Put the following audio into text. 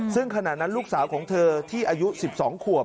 ซึ่งขณะนั้นลูกสาวของเธอที่อายุ๑๒ขวบ